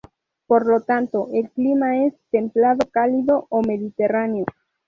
Por lo tanto, el clima es templado-cálido o mediterráneo.